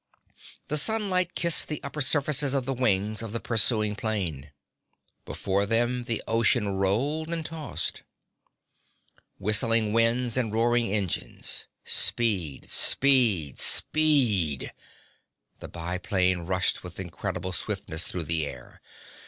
The sunlight kissed the upper surfaces of the wings of the pursuing plane. Below them the ocean rolled and tossed. Whistling wind and roaring engines. Speed, speed, speed! The biplane rushed with incredible swiftness through the air.